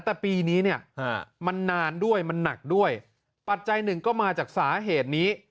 แต่ปีนี้เนี่ยมันนานด้วยมันหนักด้วยปัจจัยหนึ่งก็มาจากสาเหตุนี้